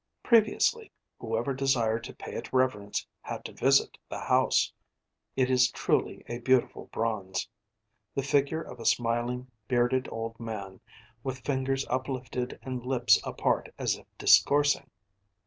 Previously, whoever desired to pay it reverence had to visit the house. It is truly a beautiful bronze. The figure of a smiling, bearded old man, with fingers uplifted and lips apart as if discoursing.